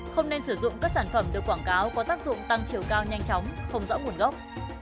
không nên sử dụng các sản phẩm được quảng cáo có tác dụng tăng chiều cao nhanh chóng không rõ nguồn gốc